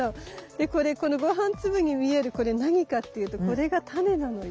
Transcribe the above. でこのごはん粒に見えるこれ何かって言うとこれがタネなのよ。